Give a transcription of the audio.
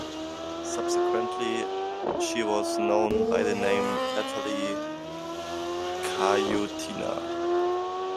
Subsequently, she was known by the name Natalia Khayutina.